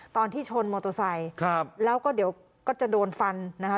ตอนที่ชนมอเตอร์ไซค์ครับแล้วก็เดี๋ยวก็จะโดนฟันนะคะ